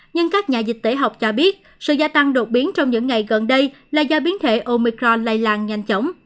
nhưng các nhà dịch tễ học cho biết sự gia tăng đột biến trong những ngày gần đây là do biến thể omicron lây lan nhanh chóng